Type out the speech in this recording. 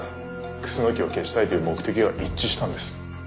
楠木を消したいという目的が一致したんです。